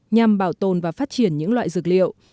nhằm bảo tồn và phát triển những loại dược liệu